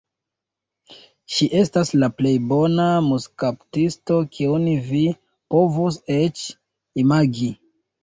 Ŝi estas la plej bona muskaptisto kiun vi povus eĉ imagi.